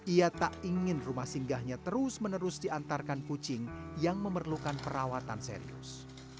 ia tak ingin rumah singgahnya terus menerus diantarkan kucing yang memerlukan perawatan serius